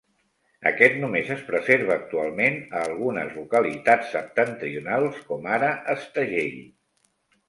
Aquest només es preserva actualment a algunes localitats septentrionals com ara Estagell.